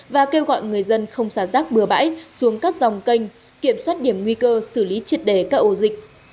và kêu gọi người dân không xả rác bừa bãi xuống các dòng kênh kiểm soát điểm nguy cơ xử lý triệt đề các ổ dịch